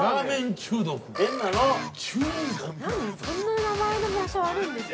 ◆中毒◆何、そんな名前の場所、あるんですか。